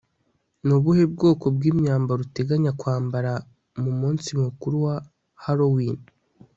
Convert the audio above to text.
ni ubuhe bwoko bw'imyambaro uteganya kwambara mu munsi mukuru wa halloween